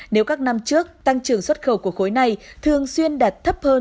nếu các năm trước tăng trưởng xuất khẩu của khối này thường xuyên đạt thấp hơn